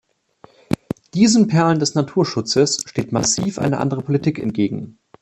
Diesen Perlen des Naturschutzes steht massiv eine andere Politik entgegen.